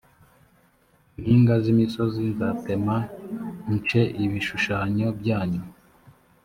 mpinga z imisozi nzatema nce ibishushanyo byanyu